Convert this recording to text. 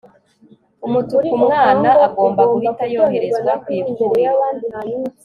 umutuku umwana agomba guhita yoherezwa ku ivuriro